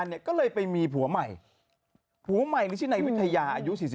ฮ่าฮ่าฮ่าฮ่าฮ่าฮ่า